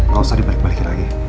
gak usah dibalik balikin lagi